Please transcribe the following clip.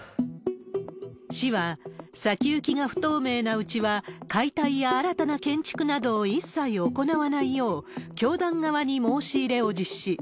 市は、先行きが不透明なうちは解体や新たな建築などを一切行わないよう、教団側に申し入れを実施。